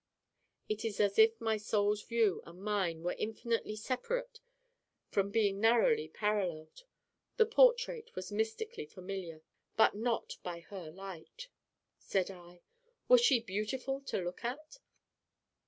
It is as if my Soul's view and mine were infinitely separate from being narrowly paralleled. The portrait was mystically familiar: but not by her light. Said I: 'Was she beautiful to look at?